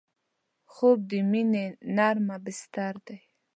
خوب د مینې نرمه بستر ده